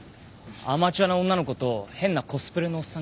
アマチュアの女の子と変なコスプレのおっさんがいた。